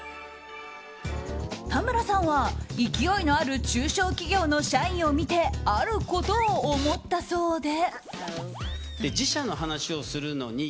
田村さんは勢いのある中小企業の社員を見てあることを思ったそうで。